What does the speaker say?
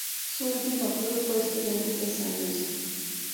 Su último club fue Estudiantes de San Luis.